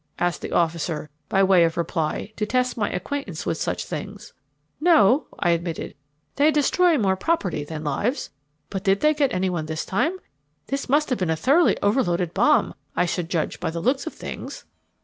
asked the officer by way of reply to test my acquaintance with such things. "No," I admitted. "They destroy more property than lives. But did they get anyone this time? This must have been a thoroughly overloaded bomb, I should judge by the looks of things."